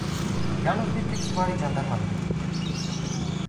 Yalnız bir tek süvari candarma verin.